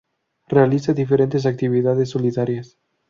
Realiza diferentes actividades solidarias.